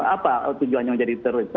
apa tujuannya menjadi teroris